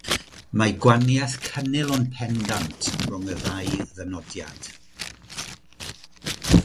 Mae gwahaniaeth cynnil ond pendant rhwng y ddau ddynodiad.